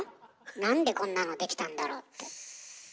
なんでこんなのできたんだろうって。